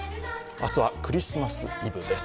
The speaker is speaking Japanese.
明日はクリスマスイブです。